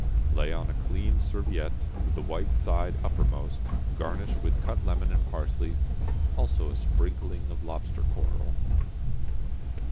Lay on a clean serviette, the white side uppermost, garnish with cut lemon and parsley, also a sprinkling of lobster coral.